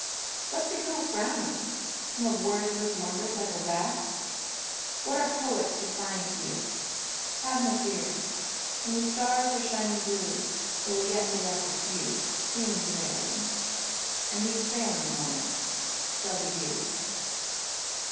"What's become of Browning? Some of Wordsworth lumbers like a raft? "Yi^at are poets to find here?*' — Have no fear: Y^en the stars are shining blue There will yet be left a few Themes availing — And tiiese failings Momus, there'll be you.